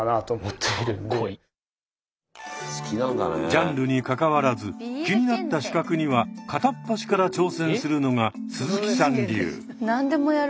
ジャンルにかかわらず気になった資格には片っ端から挑戦するのが鈴木さん流。